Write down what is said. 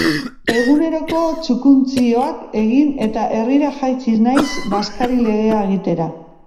Eguneroko txukuntzioak egin eta herrira jaitsi naiz bazkari-legea egitera.